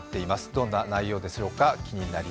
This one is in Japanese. どんな内容なんでしょうか。